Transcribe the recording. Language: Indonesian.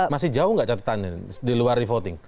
masih jauh nggak catatan di luar e voting